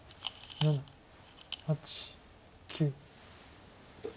７８９。